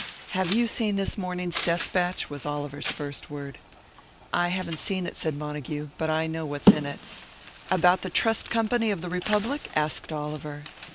"Have you seen this morning's Despatch?" was Oliver's first word. "I haven't seen it," said Montague; "but I know what's in it." "About the Trust Company of the Republic?" asked Oliver.